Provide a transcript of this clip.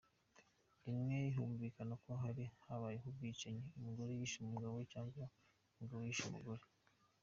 Rimwe humvikana ko hari ahabaye ubwicanyi umugore yishe umugabo cyangwa umugabo yishe umugore.